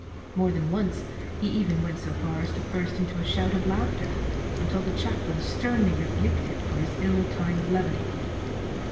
More than once he even went so far as to burst into a shout of laughter, until the chaplain sternly rebuked him for his ill timed levity.